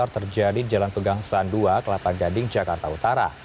terjadi di jalan pegang sandua kelapa gading jakarta utara